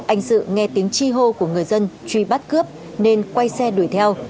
anh sự nghe tiếng chi hô của người dân truy bắt cướp nên quay xe đuổi theo